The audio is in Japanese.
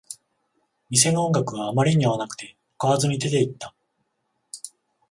店の音楽があまりに合わなくて、買わずに出ていった